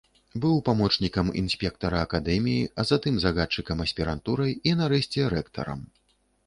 Быў памочнікам інспектара акадэміі, а затым загадчыкам аспірантурай і, нарэшце, рэктарам.